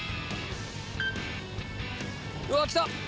うわきた！